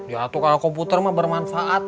ya tuh kalau komputer mah bermanfaat